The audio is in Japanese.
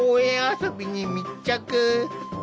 遊びに密着。